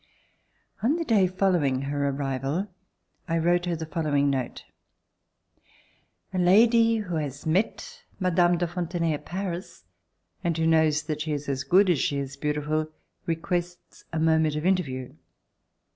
On the day following her arrival, I wrote her the following note: "A lady who has met Mme. de Fon tenay at Paris, and who knows that she is as good as she is beautiful, requests a moment of interview.'